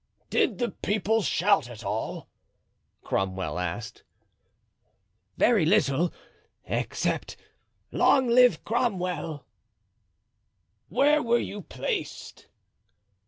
"Did the people shout at all?" Cromwell asked. "Very little, except 'Long live Cromwell!'" "Where were you placed?"